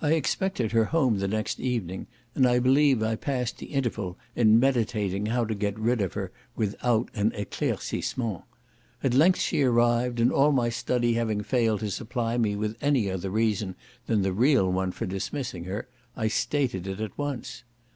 I expected her home the next evening, and I believe I passed the interval in meditating how to get rid of her without an eclaircissement. At length she arrived, and all my study having failed to supply me with any other reason than the real one for dismissing her, I stated it at once.